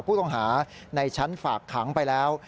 ผู้ต้องหาในชั้นฝากขังไปแล้ว